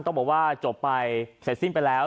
ต้องบอกว่าจบไปเสร็จสิ้นไปแล้ว